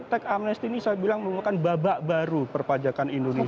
teks amnesty ini saya bilang merupakan babak baru perpajakan indonesia